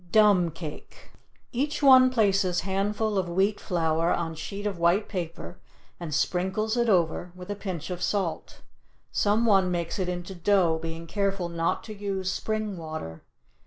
DUMB CAKE Each one places handful of wheat flour on sheet of white paper and sprinkles it over with a pinch of salt. Some one makes it into dough, being careful not to use spring water.